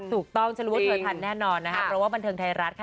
ฉันรู้ว่าเธอทันแน่นอนนะคะเพราะว่าบันเทิงไทยรัฐค่ะ